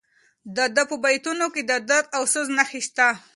د ده په بیتونو کې د درد او سوز نښې شته.